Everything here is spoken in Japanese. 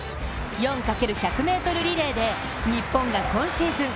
４×１００ｍリレーで日本が今シーズン